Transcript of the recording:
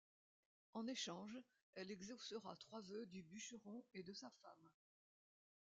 En échange, elle exaucera trois vœux du bûcheron et de sa femme.